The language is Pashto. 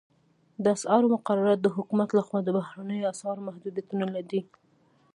د اسعارو مقررات د حکومت لخوا د بهرنیو اسعارو محدودیتونه دي